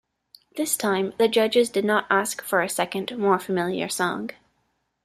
This time the judges did not ask for a second, more familiar song.